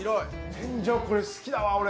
天井、これ好きだわ、俺。